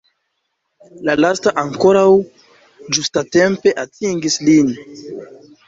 La lasta ankoraŭ ĝustatempe atingis lin.